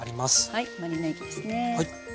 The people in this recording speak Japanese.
はいマリネ液ですね。